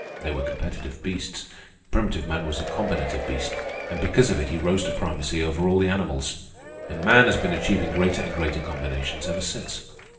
They were competitive beasts. Primitive man was a combinative beast, and because of it he rose to primacy over all the animals. And man has been achieving greater and greater combinations ever since.